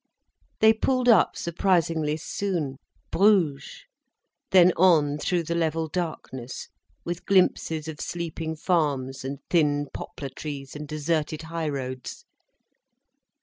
They pulled up surprisingly soon—Bruges! Then on through the level darkness, with glimpses of sleeping farms and thin poplar trees and deserted high roads.